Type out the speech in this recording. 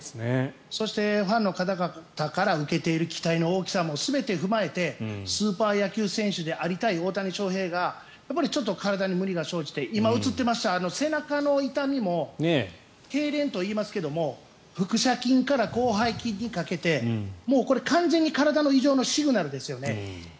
そして、ファンの方々から受けている期待の大きさも全て踏まえてスーパー野球選手でありたい大谷翔平がやっぱり体に無理が生じて今、映っていました背中の痛みもけいれんといいますが腹斜筋から広背筋にかけてもうこれ、完全に異常なシグナルですよね。